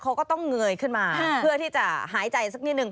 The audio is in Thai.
เขาก็ต้องเงยขึ้นมาเพื่อที่จะหายใจสักนิดนึ